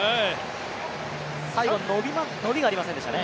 最後、伸びがありませんでしたね。